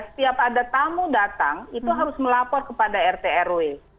setiap ada tamu datang itu harus melapor kepada rt rw